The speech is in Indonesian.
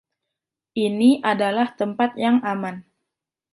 Ini adalah tempat yang aman.